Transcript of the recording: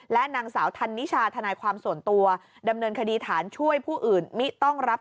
และนางสาวธันนิชาธนายความส่วนตัวดำเนินคดีฐานช่วยผู้อื่นมิต้องรับ